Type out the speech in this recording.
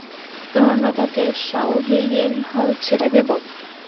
তো আমরা তাকে শাওহেইয়ের হাল ছেড়ে দেব?